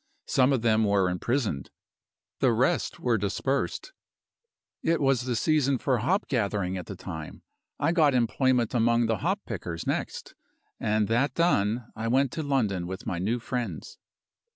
Some of them were imprisoned; the rest were dispersed. It was the season for hop gathering at the time. I got employment among the hop pickers next; and that done, I went to London with my new friends.